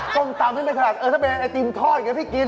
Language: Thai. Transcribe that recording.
กลมตำนั่นไปขนะเออถ้าเป็นไอติมทอดเดียวกันพี่กิน